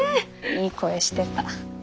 いい声してた。